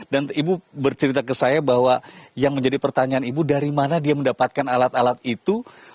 dan ibu bercerita ke saya bahwa yang menjadi pertanyaan ibu dari mana dia mendapatkan alat alat itu